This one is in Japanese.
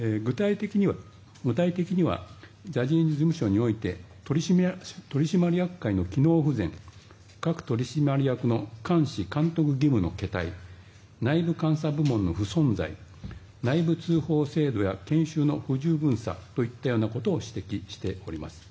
具体的にはジャニーズ事務所において取締役会の機能不全各取締役の監視・監督義務の懈怠内部監査部門の不存在内部通報制度や研修の不十分さといったようなことを指摘しております。